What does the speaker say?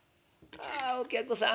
「ああお客さん